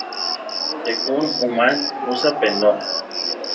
Tecún Umán usa pendón.